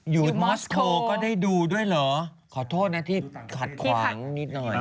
มอสโคลก็ได้ดูด้วยเหรอขอโทษนะที่ขัดขวางนิดหน่อย